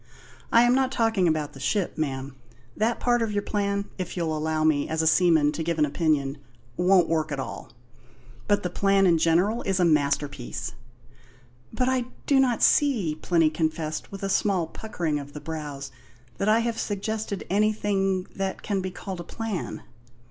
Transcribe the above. I am not talking about the ship, ma'am. That part of your plan (if you'll allow me, as a seaman, to give an opinion) won't work at all. But the plan in general is a masterpiece." "But I do not see," Plinny confessed, with a small puckering of the brows, "that I have suggested anything that can be called a plan."